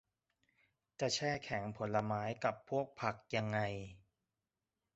จะแช่แข็งผลไม้กับพวกผักยังไง